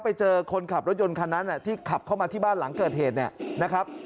ไปเจอคนขับรถยนต์คันนั้นที่ขับเข้ามาที่บ้านหลังเกิดเหตุเนี่ยนะครับ